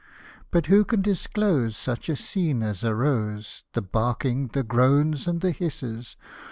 But, who can disclose such a scene as arose, The barking, the groans, and the hisses